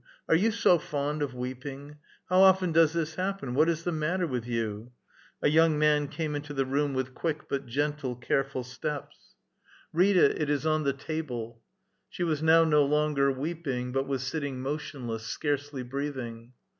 Are you so fond of weeping ? How often does this happen ? What is the matter with you ?"— a young man came into the room with quick but gentle, carefhl steps. 6 A VITAL QUESTION. ^' Read it; it is on the table." She was now no longer weeping, but was sitting motionless, scarcely breathing.